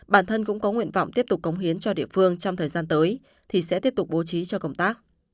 bản thân cũng có nguyện vọng tiếp tục cống hiến cho địa phương trong thời gian tới thì sẽ tiếp tục bố trí cho công tác